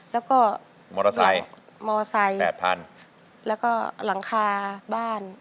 แล้วก็มอเตอร์ไซค์มอไซค์แปดพันแล้วก็หลังคาบ้าน